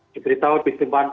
diberitahu di tempat